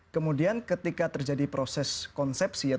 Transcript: kemudian ketika terjadi satu unsur yang berbeda dengan orang tuanya itu adalah